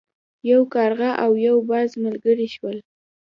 یو کارغه او یو باز ملګري شول.